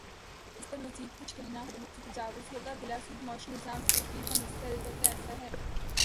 اس پر مزیدکچھ کہنا حدود سے تجاوز ہوگا بلاسود معاشی نظام کی تشکیل کا مسئلہ البتہ ایسا ہے۔